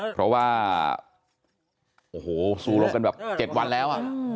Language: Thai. เพราะว่าโอ้โหสู้รบกันแบบ๗วันแล้ว